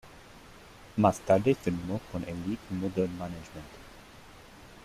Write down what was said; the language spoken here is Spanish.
Más tarde firmó con Elite Model Management.